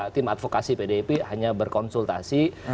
tim advokasi pdip hanya berkonsultasi